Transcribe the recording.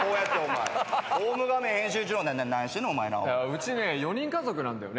うち４人家族なんだよね。